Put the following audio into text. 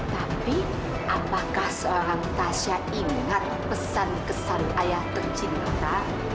tapi apakah seorang tasya ingat pesan kesan ayah tercinta